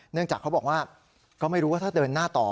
เนื่องจากเขาบอกว่าก็ไม่รู้ว่าถ้าเดินหน้าต่อ